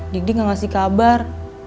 dik dik gak ngasih kabar